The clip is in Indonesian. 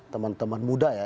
teman teman muda ya